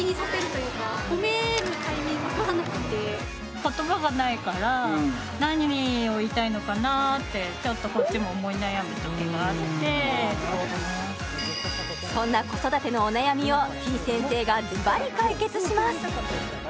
言葉がないから何を言いたいのかなってちょっとこっちも思い悩むときがあってそんな子育てのお悩みをてぃ先生がズバリ解決します